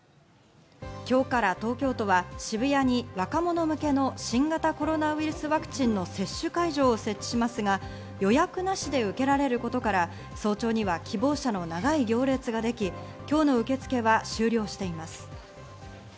今日から東京都は渋谷に若者向けの新型コロナウイルスワクチンの接種会場を設置しますが、予約なしで受けられることから、早朝には希望者の長い行列ができ、今日の受け付けは終了しています。